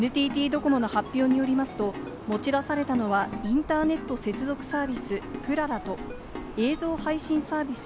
ＮＴＴドコモの発表によりますと、持ち出されたのは、インターネット接続サービス「ぷらら」と、映像配信サービス